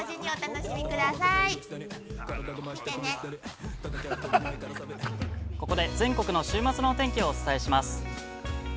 ◆ここで全国の週末のお天気をお伝えします。